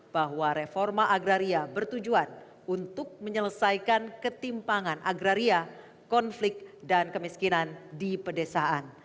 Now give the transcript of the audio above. bahwa reforma agraria bertujuan untuk menyelesaikan ketimpangan agraria konflik dan kemiskinan di pedesaan